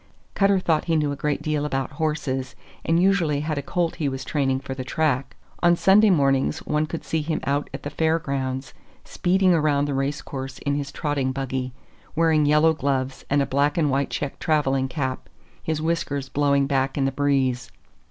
Cutter thought he knew a great deal about horses, and usually had a colt which he was training for the track. On Sunday mornings one could see him out at the fair grounds, speeding around the race course in his trotting buggy, wearing yellow gloves and a black and white check traveling cap, his whiskers blowing back in the breeze.